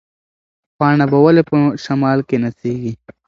پاڼه به ولې په شمال کې نڅېږي؟